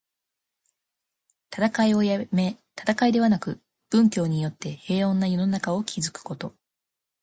戦いをやめ、戦いではなく、文教によって平穏な世の中を築くこと。